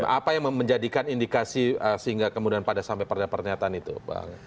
apa yang menjadikan indikasi sehingga kemudian pada sampai pada pernyataan itu bang